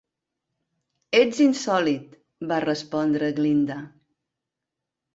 "Ets insòlit", va respondre Glinda.